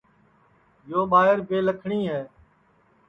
یو ٻائیر بے لکھٹؔی ہے